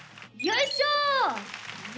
よいしょ。